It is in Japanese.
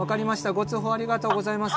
ご通報ありがとうございます。